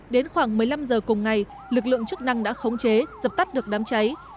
đến khoảng một mươi năm h cùng ngày lực lượng chức năng đã khống chế dập tắt được đám cháy